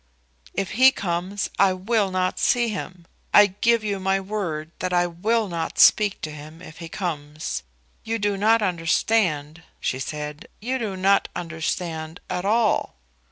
"If he comes I will not see him. I give you my word that I will not speak to him if he comes. You do not understand," she said; "you do not understand at all."